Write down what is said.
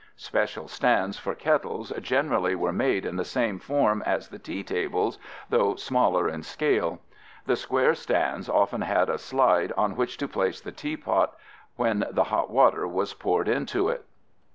Special stands for kettles generally were made in the same form as the tea tables, though smaller in scale (fig. 14). The square stands often had a slide on which to place the teapot when the hot water was poured into it.